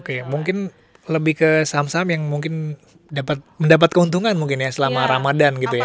oke mungkin lebih ke saham saham yang mungkin mendapat keuntungan mungkin ya selama ramadhan gitu ya